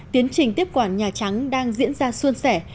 tiến trình tiếp quản nhà trắng đang diễn ra xuân sẻ